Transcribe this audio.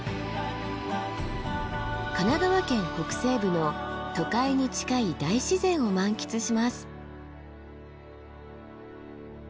神奈川県北西部の都会に近い大自然を満喫します。